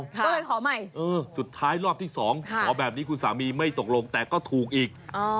ก็เลยขอใหม่สุดท้ายรอบที่๒ขอแบบนี้คุณสามีไม่ตกลงแต่ก็ถูกอีก